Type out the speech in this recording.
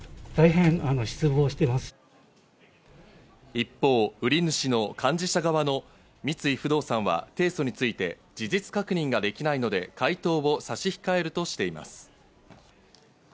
一方、売り主の幹事社側の三井不動産は、提訴について事実確認ができないので回答を差し控えるとしています。